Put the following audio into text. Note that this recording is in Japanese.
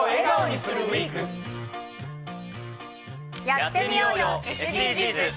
やってみようよ、ＳＤＧｓ。